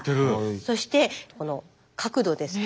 そしてこの角度ですが。